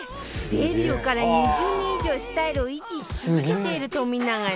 デビューから２０年以上スタイルを維持し続けている冨永さん